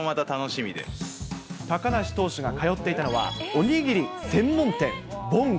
高梨投手が通っていたのは、おにぎり専門店、ぼんご。